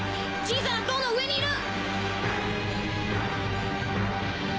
小さな塔の上にいる！